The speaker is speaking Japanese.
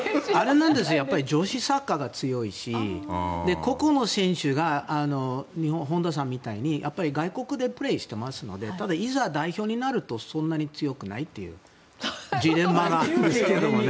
ただ、女子サッカーが強いし個々の選手が日本の本田さんみたいに外国でプレーをしていますのでただ、いざ代表になるとそんなに強くないというジレンマがあるんですけどね。